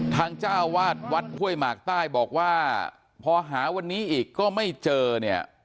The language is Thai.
ทางเจ้าวาดวัดห้วยหมากใต้บอกว่าพอหาวันนี้อีกก็ไม่เจอเนี่ย